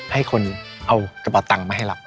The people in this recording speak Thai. ให้คนเอากระเป๋าตังค์มาให้เรา